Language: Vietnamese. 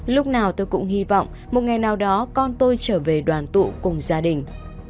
lúc nào tôi cũng hy vọng một ngày nào đó con tôi trở về đoàn tụ cùng gia đình